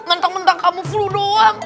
mantap mantap kamu flu doang